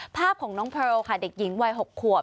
ภาพของน้องแพลวค่ะเด็กหญิงวัย๖ขวบ